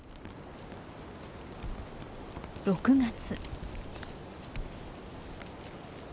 ６月。